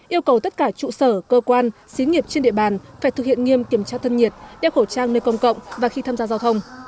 yêu cầu tất cả trụ sở cơ quan xí nghiệp trên địa bàn phải thực hiện nghiêm kiểm tra thân nhiệt đeo khẩu trang nơi công cộng và khi tham gia giao thông